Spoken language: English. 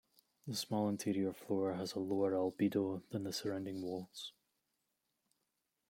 The small interior floor has a lower albedo than the surrounding walls.